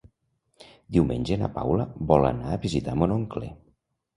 Diumenge na Paula vol anar a visitar mon oncle.